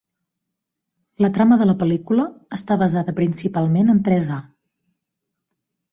La trama de la pel·lícula està basada principalment en tres A.